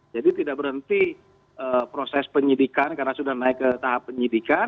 jadi tidak berhenti proses penyidikan karena sudah naik ke tahap penyidikan